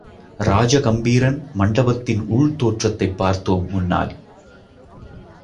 ராஜ கம்பீரன் மண்டபத்தின் உள் தோற்றத்தைப் பார்த்தோம் முன்னால்.